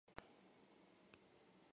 オー＝ラン県の県都はコルマールである